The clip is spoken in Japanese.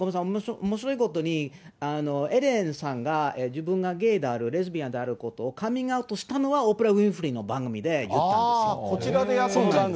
おもしろいことに、エレンさんが自分が芸である、レズビアンであるカミングアウトしたのは、オプラ・ウィンフリーの番組で言ったああ、こちらでやった番組。